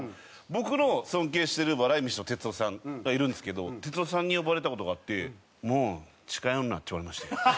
僕の尊敬している笑い飯の哲夫さんがいるんですけど哲夫さんに呼ばれた事があって「もう近寄るな」って言われました。